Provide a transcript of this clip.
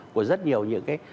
của rất nhiều những cái